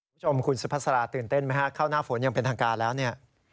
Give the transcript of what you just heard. คุณผู้ชมคุณสุภาษาตื่นเต้นไหมฮะเข้าหน้าฝนอย่างเป็นทางการแล้วเนี่ย